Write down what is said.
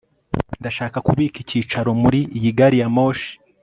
ndashaka kubika icyicaro muri iyi gari ya moshi